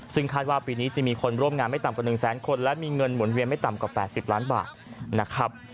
ซึ่งคาดว่าปีนี้จะมีคนร่วมงานไม่ต่ำกว่า๑แสนคนและมีเงินหมุนเวียนไม่ต่ำกว่า๘๐ล้านบาทนะครับ